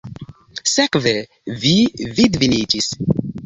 Sekve vi vidviniĝis!